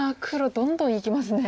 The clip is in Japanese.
どんどんいきますね。